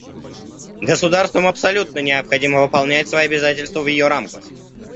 Государствам абсолютно необходимо выполнять свои обязательства в ее рамках.